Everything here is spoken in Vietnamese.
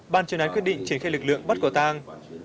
bàn truyền án quyết định triển khai lực lượng bắt quả tăng